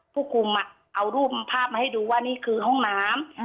ผู้คุมเอารูปภาพมาให้ดูว่านี่คือห้องน้ำ